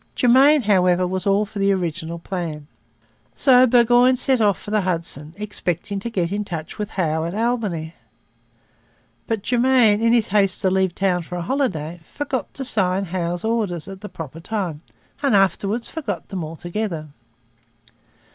Germain however, was all for the original plan. So Burgoyne set off for the Hudson, expecting to get into touch with Howe at Albany. But Germain, in his haste to leave town for a holiday, forgot to sign Howe's orders at the proper time; and afterwards forgot them altogether.